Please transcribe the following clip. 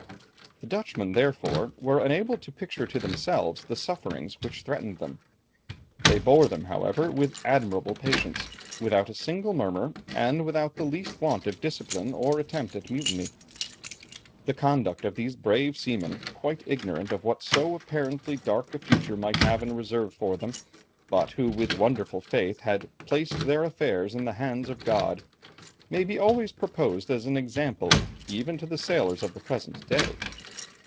The Dutchmen, therefore, were unable to picture to themselves the sufferings which threatened them. They bore them, however, with admirable patience, without a single murmur, and without the least want of discipline or attempt at mutiny. The conduct of these brave seamen, quite ignorant of what so apparently dark a future might have in reserve for them, but who with wonderful faith had "placed their affairs in the hands of God," may be always proposed as an example even to the sailors of the present day.